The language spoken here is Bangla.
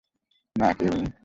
না, কে উনি?